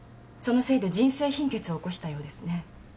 そのせいで腎性貧血を起こしたようですね。